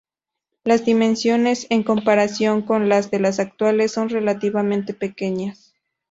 Las dimensiones, en comparación con las de las actuales, son relativamente pequeñas.